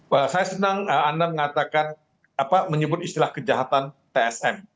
wah saya senang anda mengatakan menyebut istilah kejahatan tsm